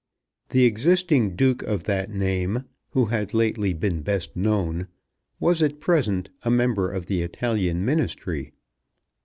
The existing duke of that name, who had lately been best known, was at present a member of the Italian Ministry.